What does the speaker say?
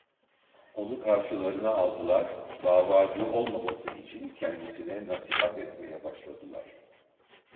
Onu karşılarına aldılar; davacı olmaması için kendisine nasihat etmeye başladılar.